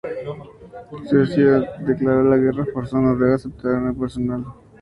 Suecia le declaró la guerra y forzó a Noruega a aceptar una unión personal.